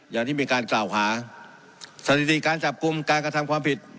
อย่างที่มีการกล่าวหาสถิติการจับกลุ่มการกระทำความผิด